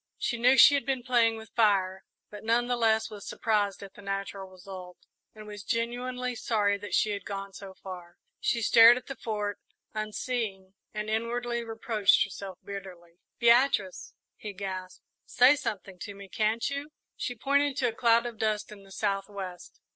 She knew she had been playing with fire, but none the less was surprised at the natural result, and was genuinely sorry that she had gone so far. She stared at the Fort, unseeing, and inwardly reproached herself bitterly. "Beatrice!" he gasped. "Say something to me, can't you?" She pointed to a cloud of dust in the south west.